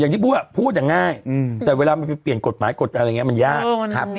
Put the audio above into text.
อย่างที่พูดอ่ะพูดอ่ะง่ายแต่เวลามันเปลี่ยนกฎหมายกฎอะไรอย่างเงี้ยมันยาก